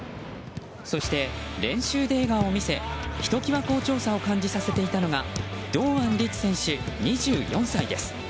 そして、練習で笑顔を見せひときわ好調さを感じさせていたのが堂安律選手、２４歳です。